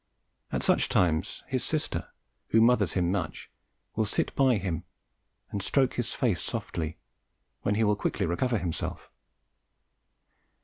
At such times his sister, who mothers him much, will sit by him and stroke his face softly, when he will quickly recover himself.